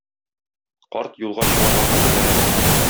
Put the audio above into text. Карт юлга чыгарга хәзерләнә башлый.